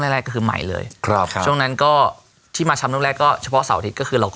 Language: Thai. อันนั้นก็เป็นหนึ่งในการคิดวิจัยให้เป็นโอกาส